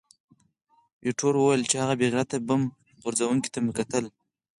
ایټور وویل چې، هغه بې غیرته بم غورځوونکي ته مې کتل.